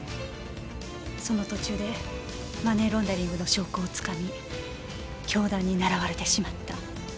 その途中でマネーロンダリングの証拠をつかみ教団に狙われてしまった。